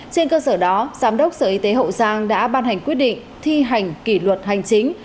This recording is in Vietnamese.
trên cơ sở đó giám đốc sở y tế hậu giang đã ban hành quyết định thi hành kỷ luật hành chính